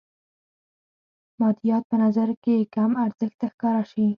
مادیات په نظر کې کم ارزښته ښکاره شي.